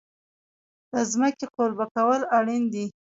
د ځمکې قلبه کول اړین دي.